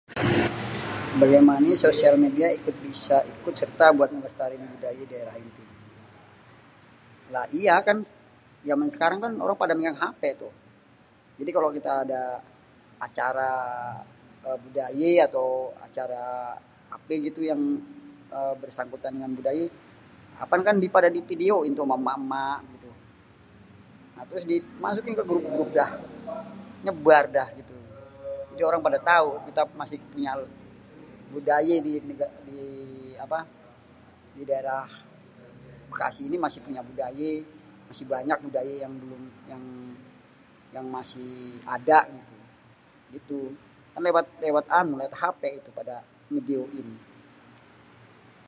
bagaimana sosial media ikut bisa ikut serta melestarikan budaya di daerah ente? lah iya kan zaman sekarang kan elo pada maen hp tu. jadi kalo kita ada acara eeeh budaye atow acara ape gitu yang eeh bersangkutan dengan budaye apan kan pada di vidioin tuh ama emak-emak gitu, nah terus dimasukin ke grup-grup dah, nyebar dah itunya. jadi orang pada tau kita masih punya budaye di nega di apah di daerah bekasi ini masih punya budaye, masih banyak budaye yang belum yang yang masih ada gitu, gitu. kan lewat an anu lewat hp itu pada ngepidioin.